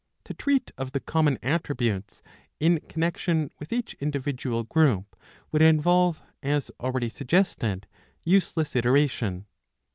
To treat of the common attributes in connexion with each individual group would involve, as already suggested, useless iteration.